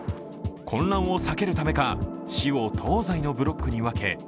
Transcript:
混乱を避けるためか市を東西のブロックに分け